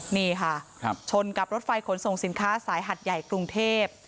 นี่ค่ะชนกับรถไฟขนส่งสินค้าสายหัดใหญ่กรุงเทพ